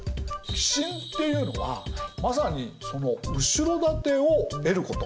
寄進っていうのはまさにその後ろ盾を得ること。